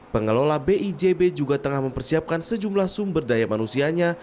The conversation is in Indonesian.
pengelola bijb juga tengah mempersiapkan sejumlah sumber daya manusianya